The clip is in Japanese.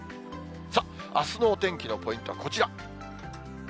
さあ、あすのお天気のポイントはこちら。